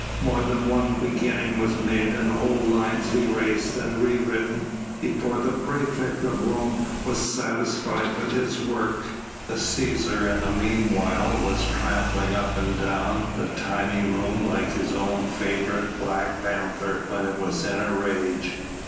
More than one beginning was made and whole lines erased and rewritten before the praefect of Rome was satisfied with his work. The Cæsar in the meanwhile was tramping up and down the tiny room like his own favourite black panther when it was in a rage.